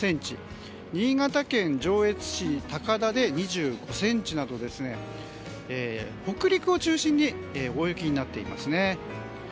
新潟県上越市高田で２５ｃｍなど北陸を中心に大雪になっていますね。